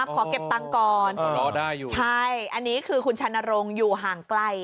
ขอเก็บตังค์ก่อนรอได้อยู่ใช่อันนี้คือคุณชานรงค์อยู่ห่างไกล